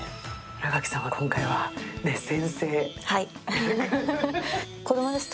新垣さんは今回は先生役。